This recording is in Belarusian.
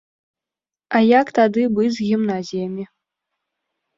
А як тады быць з гімназіямі?